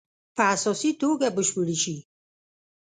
په اساسي توګه بشپړې شي.